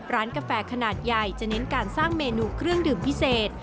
กาแฟขนาดใหญ่จะเน้นการสร้างเมนูเครื่องดื่มพิเศษ